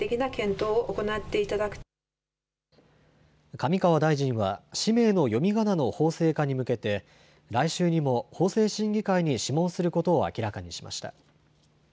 上川大臣は氏名の読みがなの法制化に向けて来週にも法制審議会に諮問することを明らかにしました。